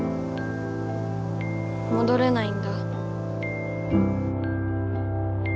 もどれないんだ。